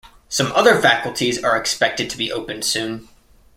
Some other faculties are expected to be opened soon.